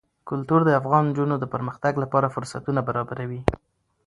کلتور د افغان نجونو د پرمختګ لپاره فرصتونه برابروي.